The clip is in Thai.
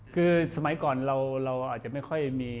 คือสมัยก่อนเราอาจจะไม่ค่อยมี